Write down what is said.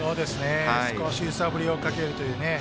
少し揺さぶりをかけるという。